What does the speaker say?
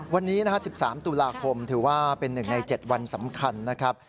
วันนี้นะฮะ๑๓ตุลาคมถือว่าเป็น๑ใน๗วันสำคัญนะครับ